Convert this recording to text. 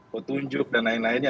ketunjuk dan lain lainnya